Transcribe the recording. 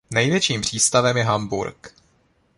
Největším přístavem je Hamburk.